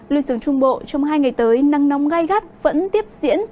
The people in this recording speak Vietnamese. lưu sướng trung bộ trong hai ngày tới năng nóng gai gắt vẫn tiếp diễn